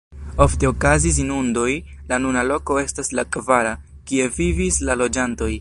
Ofte okazis inundoj, la nuna loko estas la kvara, kie vivis la loĝantoj.